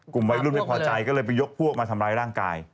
กลุ่มวัยรุ่นไม่พอใจก็เลยไปยกพวกมาทำร้ายร่างกาย